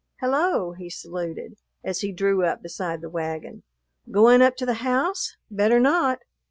"Hello!" he saluted, as he drew up beside the wagon. "Goin' up to the house? Better not.